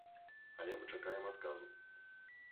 Але мы чакаем адказу.